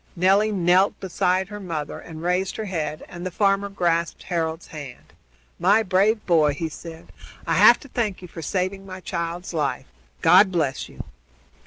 Nelly knelt beside her mother and raised her head, and the farmer grasped Harold's hand. "My brave boy," he said, "I have to thank you for saving my child's life. God bless you!"